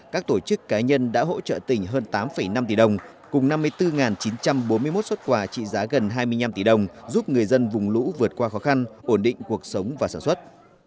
các tổ chức cá nhân đã hỗ trợ tỉnh hơn tám năm tỷ đồng cùng năm mươi bốn chín trăm bốn mươi một xuất quà trị giá gần hai mươi năm tỷ đồng giúp người dân vùng lũ vượt qua khó khăn ổn định cuộc sống và sản xuất